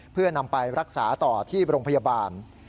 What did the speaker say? เพื่อนำไปรักษาต่อที่โรงพยาบาล